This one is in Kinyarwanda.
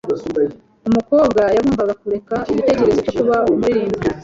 Umukobwa yagombaga kureka igitekerezo cyo kuba umuririmbyi.